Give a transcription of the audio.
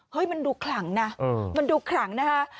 มันดูขลังนะมันดูขลังนะคะ